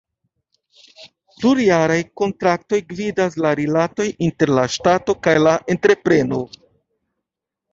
Plurjaraj kontraktoj gvidas la rilatojn inter la Ŝtato kaj la entrepreno.